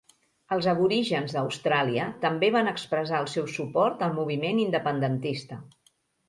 Els aborígens d'Austràlia també van expressar el seu suport al moviment independentista.